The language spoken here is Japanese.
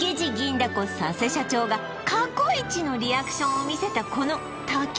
だこ佐瀬社長が過去イチのリアクションを見せたこの炊き